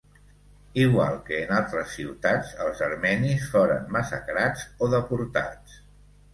Igual que en altres ciutats els armenis foren massacrats o deportats.